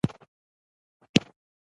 ما هغه ته بلنه ورکړه چې مېلمه مې شي